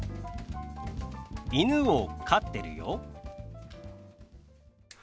「犬を飼ってるよ」。